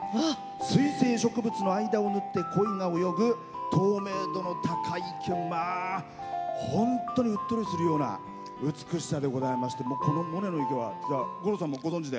水生植物の間をぬってコイが泳ぐ透明度が高い本当にうっとりするような美しさでございまして「モネの池」は五郎さんもご存じで。